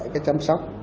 cái chăm sóc